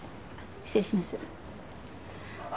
失礼します。